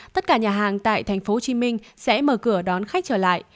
tất cả nhà hàng tại tp hcm sẽ mở cửa đón khách trở lại